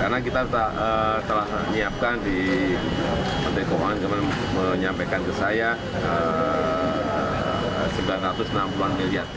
karena kita telah menyiapkan di menteri keuangan menyampaikan ke saya sembilan ratus enam puluh an miliar